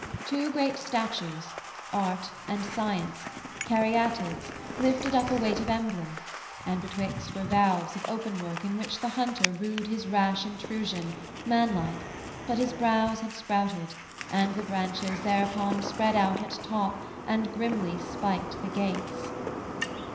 Two great statues, Art And Science, Caryatids, lifted up A weight of emblem, and betwixt were valves Of open work in which the hunter rued His rash intrusion, manlike, but his brows Had sprouted, and the branches thereupon Spread out at top, and grimly spiked the gates.